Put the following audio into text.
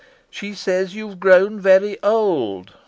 She says you've grown very old!